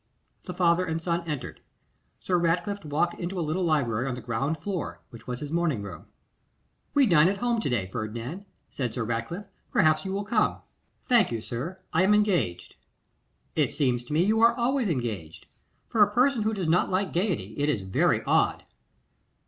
The father and son entered. Sir Ratcliffe walked into a little library on the ground floor, which was his morning room. 'We dine at home to day, Ferdinand,' said Sir Ratcliffe. 'Perhaps you will come.' 'Thank you, sir, I am engaged.' 'It seems to me you are always engaged. For a person who does not like gaiety, it is very odd.